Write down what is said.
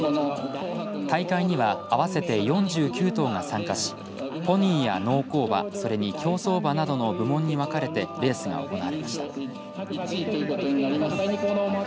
大会には合わせて４９頭が参加しポニーや農耕馬それに競走馬などの部門に分かれてレースが行われました。